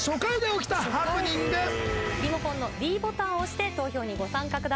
リモコンのｄボタンを押して投票にご参加ください。